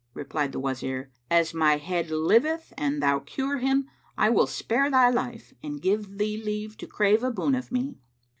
Replied the Wazir, "As my head liveth, an thou cure him, I will spare thy life and give thee leave to crave a boon of me!"